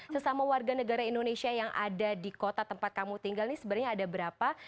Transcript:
sesama warga negara indonesia yang ada di kota tempat kamu tinggal ini sebenarnya ada berapa